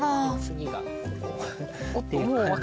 次がここ。